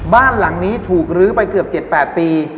บ้านหลังนี้ถูกลื้อไปเกือบ๗๘ปี